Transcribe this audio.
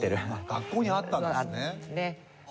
学校にあったんですね。